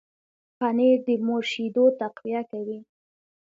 پنېر د مور شیدو تقویه کوي.